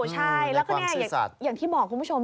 ใช่แล้วก็อย่างที่บอกคุณผู้ชม